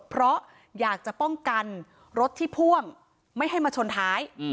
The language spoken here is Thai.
เพราะอยากจะป้องกันรถที่พ่วงไม่ให้มาชนท้าย